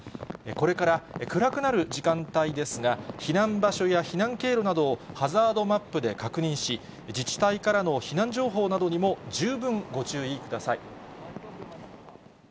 これから暗くなる時間帯ですが、避難場所や避難経路などをハザードマップで確認し、自治体からの避難情報などにも十分ご注意ください。